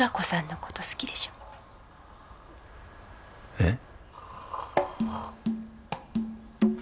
えっ？